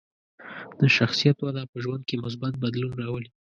د شخصیت وده په ژوند کې مثبت بدلون راولي.